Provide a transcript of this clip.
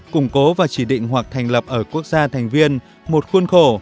củng cố và chỉ định hoặc thành lập ở quốc gia thành viên một khuôn khổ